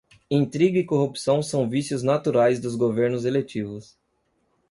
Intriga e corrupção são vícios naturais dos governos eletivos.